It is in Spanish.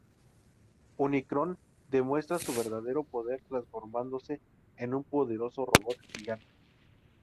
Unicron demuestra su verdadero poder transformándose en un poderoso robot gigante.